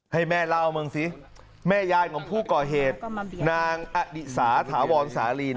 ให้แม่เล่ามึงสิแม่ยายของผู้ก่อเหตุนางอดิสาถาวรสาลี